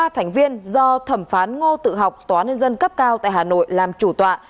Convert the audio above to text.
ba thành viên do thẩm phán ngô tự học tòa nhân dân cấp cao tại hà nội làm chủ tọa